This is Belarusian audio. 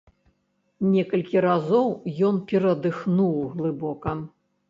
Некалькі разоў ён перадыхнуў глыбока.